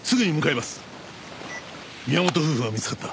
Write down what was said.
宮本夫婦が見つかった。